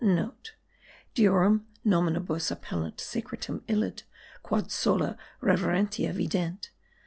*(* Deorum nominibus appellant secretum illud, quod sola reverentia vident.